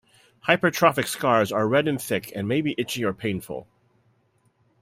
Hypertrophic scars are red and thick and may be itchy or painful.